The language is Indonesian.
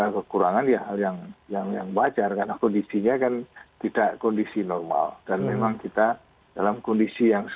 belum ada obatnya